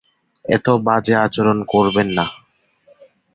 এতো বাজে আচরণ করবেন না।